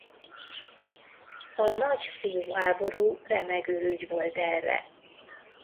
A nagy sziú háború remek ürügy volt erre.